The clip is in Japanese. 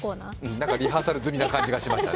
なんかリハーサル済みな感じがしましたよ。